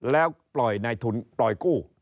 แล้วปล่อยกู้